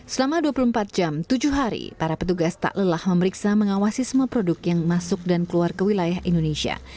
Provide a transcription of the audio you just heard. selama dua puluh empat jam tujuh hari para petugas tak lelah memeriksa mengawasi semua produk yang masuk dan keluar ke wilayah indonesia